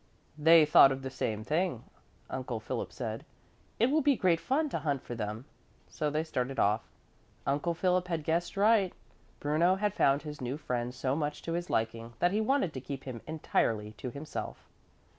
"They thought of the same thing," Uncle Philip said. "It will be great fun to hunt for them." So they started off. Uncle Philip had guessed right. Bruno had found his new friend so much to his liking that he wanted to keep him entirely to himself.